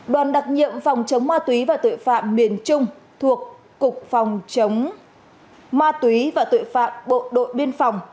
đoàn đặc nhiệm phòng chống ma túy và tội phạm miền trung thuộc cục phòng chống ma túy và tội phạm bộ đội biên phòng